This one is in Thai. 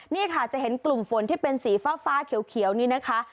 นี่ค่ะจะเห็นกลุ่มฝนที่เป็นสีฟ้าเขียวนี่นะคะ